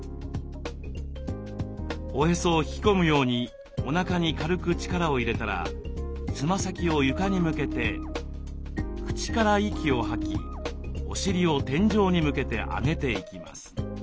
おへそを引き込むようにおなかに軽く力を入れたらつま先を床に向けて口から息を吐きお尻を天井に向けて上げていきます。